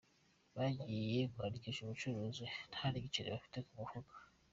Bagiye kwandikisha ubucuruzi ntan’igiceri bafite mu mufuka.